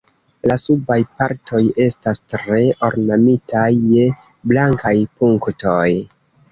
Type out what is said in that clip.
La subaj partoj estas tre ornamitaj je blankaj punktoj.